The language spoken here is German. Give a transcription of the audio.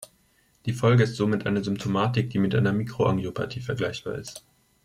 Die Folge ist somit eine Symptomatik, die mit einer Mikroangiopathie vergleichbar ist.